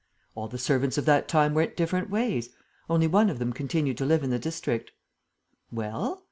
"All the servants of that time went different ways. Only one of them continued to live in the district." "Well?"